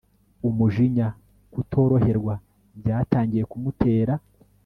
Umujinya kutoroherwa byatangiye kumutera